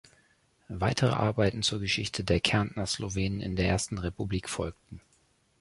Weitere Arbeiten zur Geschichte der Kärntner Slowenen in der Ersten Republik folgten.